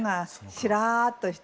しらっとして。